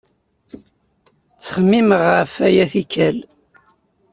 Ttxemmimeɣ ɣef waya tikkal